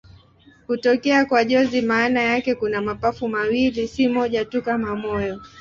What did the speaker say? Hutokea kwa jozi maana yake kuna mapafu mawili, si moja tu kama moyo.